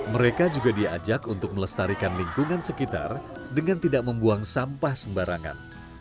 mereka juga diajak untuk melestarikan lingkungan sekitar dengan tidak membuang sampah sembarangan